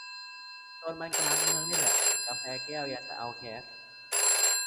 โดนมันกลางเมืองนี่แหละ กาแฟแก้ว ยังจะเอาแคช